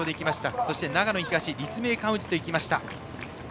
そして長野東、立命館宇治と行きました。